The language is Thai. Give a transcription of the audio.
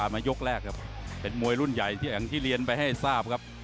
มายกแรกครับเป็นมวยรุ่นใหญ่ที่อย่างที่เรียนไปให้ทราบครับ